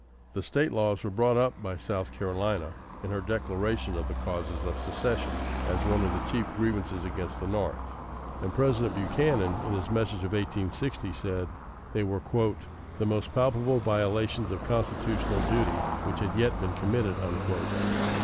The State laws were brought up by South Carolina, in her declaration of the causes of secession, as one of the chief grievances against the North; and President Buchanan, in his Message of 1860, said they were "the most palpable violations of constitutional duty which had yet been committed."